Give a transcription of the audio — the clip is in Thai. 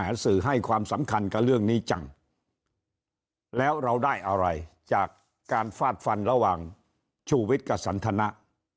สื่อให้ความสำคัญกับเรื่องนี้จังแล้วเราได้อะไรจากการฟาดฟันระหว่างชูวิทย์กับสันทนะ